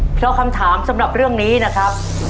เพราะคำถามสำหรับเรื่องนี้นะครับ